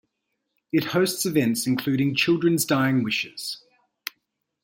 It hosts events including children's dying wishes.